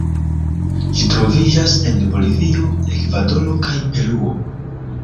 Ĝi troviĝas en Bolivio, Ekvadoro kaj Peruo.